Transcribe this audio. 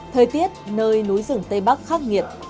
thời tiết nơi núi rừng tây bắc khắc nghiệt